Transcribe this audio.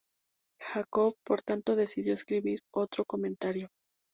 Jacob por tanto decidió escribir otro comentario.